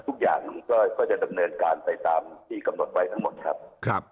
ทุกอย่างก็จะดำเนินการไปตามที่กำหนดไว้ทั้งหมดครับ